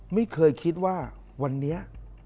ไม่เคยคิดว่าวันนี้